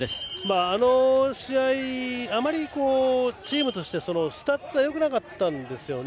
あの試合、あまりチームとしてスタッツがよくなかったんですね。